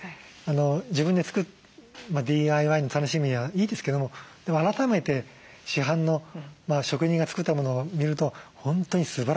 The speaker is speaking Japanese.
自分で作るＤＩＹの楽しみはいいですけどもでも改めて市販の職人が作ったものを見ると本当にすばらしいなって